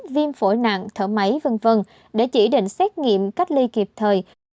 viêm phổi nặng thở máy v v để chỉ định xét nghiệm cách ly kịp thời